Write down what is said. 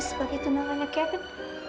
sebagai tunangannya kevin